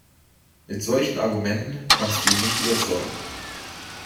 Mit solchen Argumenten kannst du ihn nicht überzeugen.